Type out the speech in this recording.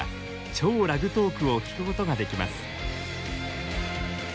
超ラグトークを聞くことができます。